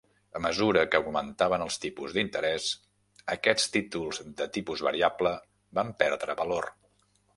A mesura que augmentaven els tipus d'interès, aquests títols de tipus variable van perdre valor.